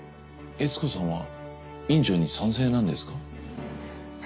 悦子さんは院長に賛成なんですか？